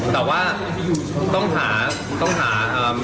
แล้วเราต้องจ้างเขา